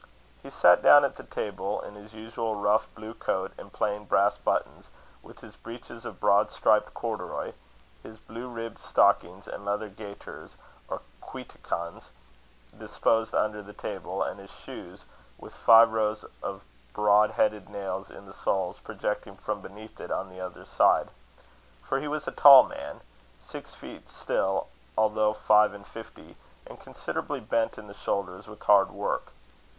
He sat down at the table in his usual rough blue coat and plain brass buttons; with his breeches of broad striped corduroy, his blue ribbed stockings, and leather gaiters, or cuiticans, disposed under the table, and his shoes, with five rows of broad headed nails in the soles, projecting from beneath it on the other side; for he was a tall man six feet still, although five and fifty, and considerably bent in the shoulders with hard work.